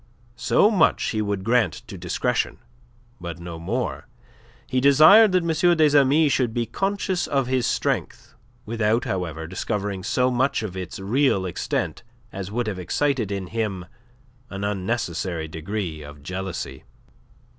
So much he would grant to discretion, but no more. He desired that M. des Amis should be conscious of his strength, without, however, discovering so much of its real extent as would have excited in him an unnecessary degree of jealousy.